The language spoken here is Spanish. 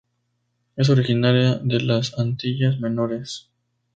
Es originaria de las Antillas Menores.